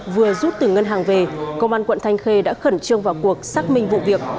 vừa rút từ ngân hàng về công an quận thanh khê đã khẩn trương vào cuộc xác minh vụ việc